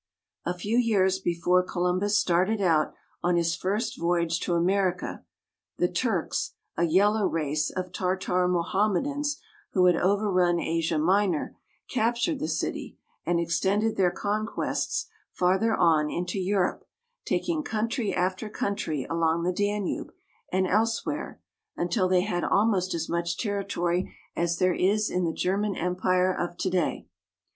A few years before Columbus started out on his first voyage to America, the Turks, a yellow race of Tartar Mohammedans who had overrun Asia Minor, captured the city, and extended their conquests farther on into Europe, taking country after country along the Danube and elsewhere, until they had almost as much territory as there is in the German Empire of to day.